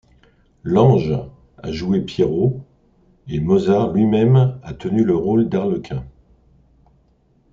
Lange a joué Pierrot, et Mozart lui-même a tenu le rôle d'Arlequin.